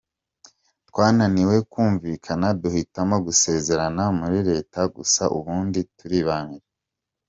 Twananiwe kumvikana duhitamo gusezerana muri Leta gusa, ubundi turibanira.